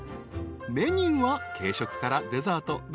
［メニューは軽食からデザート。